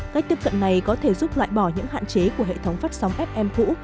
cách tiếp cận này có thể giúp loại bỏ những hạn chế của hệ thống phát sóng fm cũ